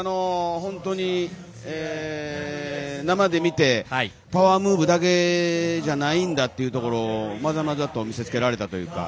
本当に、生で見てパワームーブだけじゃないんだっていうところをまざまざと見せ付けられたというか。